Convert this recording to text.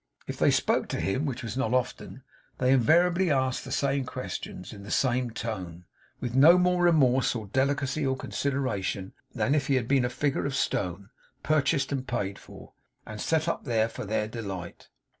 If they spoke to him, which was not often, they invariably asked the same questions, in the same tone; with no more remorse, or delicacy, or consideration, than if he had been a figure of stone, purchased, and paid for, and set up there for their delight.